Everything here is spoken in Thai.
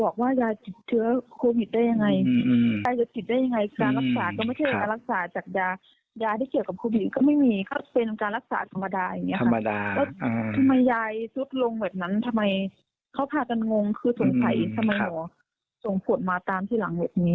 กลับโควิดถึงวันเลยหรือยังไงครับ